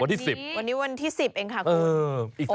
ที่๑๐วันนี้วันที่๑๐เองค่ะคุณ